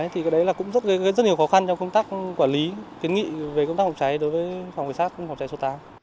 thì đấy là cũng rất nhiều khó khăn trong công tác quản lý kiến nghị về công tác phòng cháy đối với phòng vệ sát phòng cháy số tám